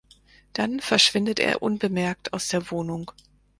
Dann verschwindet er unbemerkt aus der Wohnung.